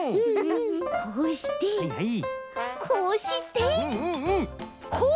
こうしてこうしてこう。